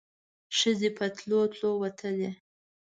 ښځې په تلو تلو وتلې.